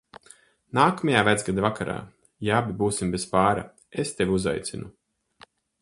Nākamajā Vecgada vakarā, ja mēs abi būsim bez pāra, es tevi uzaicinu.